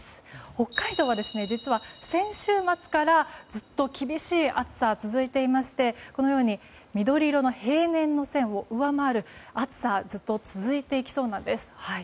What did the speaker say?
北海道は実は先週末からずっと厳しい暑さが続いていましてこのように緑色の平年の線を上回る暑さがずっと続いていきそうなんです。